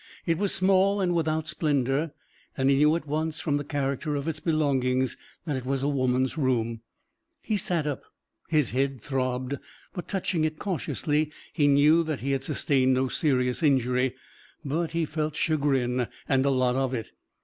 It was small and without splendor and he knew at once from the character of its belongings that it was a woman's room. He sat up. His head throbbed, but touching it cautiously he knew that he had sustained no serious injury. But he felt chagrin, and a lot of it.